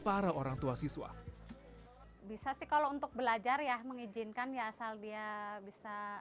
para orang tua siswa bisa sih kalau untuk belajar ya mengizinkan ya asal dia bisa